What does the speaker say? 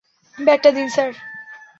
ব্যাগটা দিন, স্যার?